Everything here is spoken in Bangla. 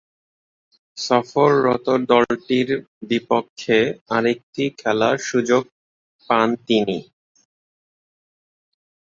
সফররত দলটির বিপক্ষে আরেকটি খেলার সুযোগ পান তিনি।